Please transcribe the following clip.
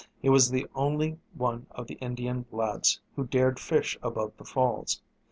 He was the only one of the Indian lads who dared fish above the falls.